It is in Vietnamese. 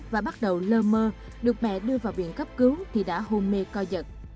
và bắt đầu lơ mơ được mẹ đưa vào viện cấp cứu thì đã hôn mê co giật